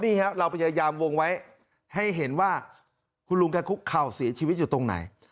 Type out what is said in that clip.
นี่ฮะเราพยายามวงไว้ให้เห็นว่าคุณลุงแกคุกเข่าเสียชีวิตอยู่ตรงไหน